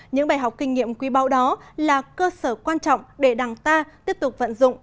những bài học kinh nghiệm quý báo đó là cơ sở quan trọng để đảng ta tiếp tục vận dụng